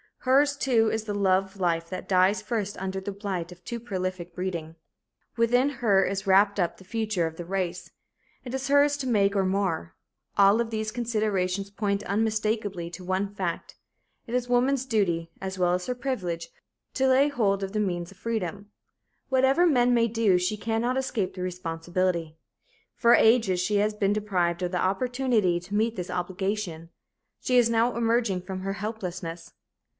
Hers, too, is the love life that dies first under the blight of too prolific breeding. Within her is wrapped up the future of the race it is hers to make or mar. All of these considerations point unmistakably to one fact it is woman's duty as well as her privilege to lay hold of the means of freedom. Whatever men may do, she cannot escape the responsibility. For ages she has been deprived of the opportunity to meet this obligation. She is now emerging from her helplessness.